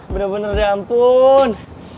bener bener ya ampun